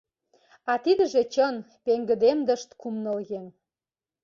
— А тидыже чын, — пеҥгыдемдышт кум-ныл еҥ.